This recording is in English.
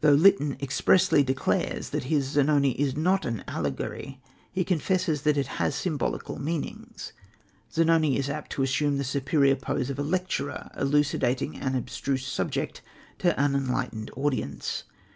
Though Lytton expressly declares that his Zanoni is not an allegory, he confesses that it has symbolical meanings. Zanoni is apt to assume the superior pose of a lecturer elucidating an abstruse subject to an unenlightened audience.